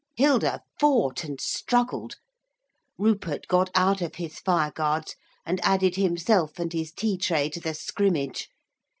Hilda fought and struggled. Rupert got out of his fire guards and added himself and his tea tray to the scrimmage.